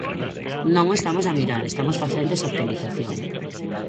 Non o estamos a mirar, estamos facendo esa actualización.